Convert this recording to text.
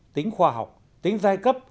tính khoa học tính giai cấp